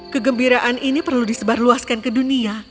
kegembiraan ini perlu disebarluaskan ke dunia